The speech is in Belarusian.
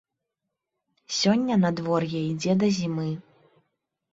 Сёння надвор'е ідзе да зімы.